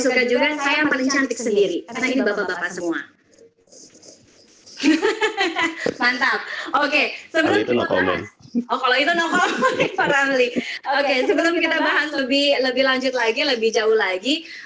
oke sebelum kita bahas lebih lanjut lagi lebih jauh lagi